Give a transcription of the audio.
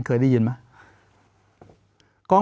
เคยได้ยินไหม